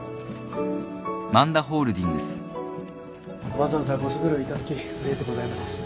わざわざご足労いただきありがとうございます。